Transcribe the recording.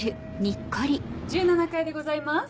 １７階でございます。